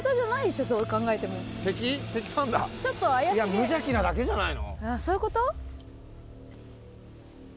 無邪気なだけじゃないの？